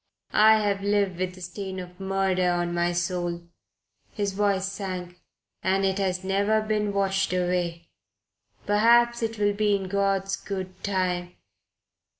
I have lived with the stain of murder on my soul" his voice sank "and it has never been washed away. Perhaps it will be in God's good time....